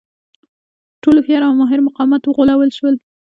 ټول هوښیار او ماهر مقامات وغولول شول.